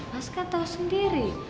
mas gak tau sendiri